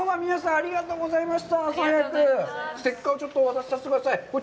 ありがとうございます。